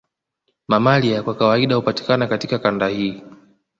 Mamalia kwa kawaida hupatikana katika kanda hii